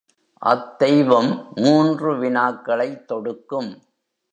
அத்தெய்வம் மூன்று வினாக்களைத் தொடுக்கும்.